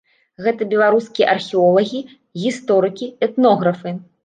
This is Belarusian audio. Гэта беларускія археолагі, гісторыкі, этнографы.